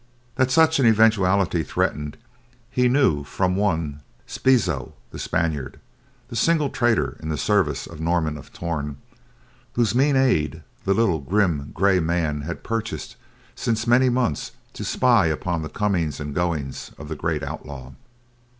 That such an eventuality threatened, he knew from one Spizo the Spaniard, the single traitor in the service of Norman of Torn, whose mean aid the little grim, gray man had purchased since many months to spy upon the comings and goings of the great outlaw.